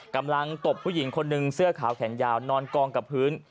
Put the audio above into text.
ตบผู้หญิงคนหนึ่งเสื้อขาวแขนยาวนอนกองกับพื้น